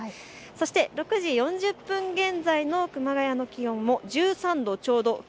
そして６時４０分現在の熊谷の気温も１３度ちょうど。